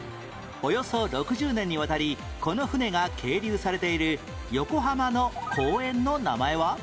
およそ６０年にわたりこの船が係留されている横浜の公園の名前は？